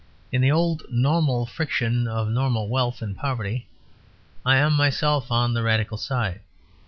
In the old normal friction of normal wealth and poverty I am myself on the Radical side.